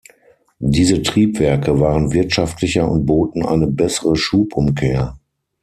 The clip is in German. Diese Triebwerke waren wirtschaftlicher und boten eine bessere Schubumkehr.